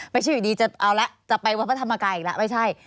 ไม่ใช่อยู่ดีจะเอาแล้วจะไปวัดพระธรรมกายอีกแล้วไม่ใช่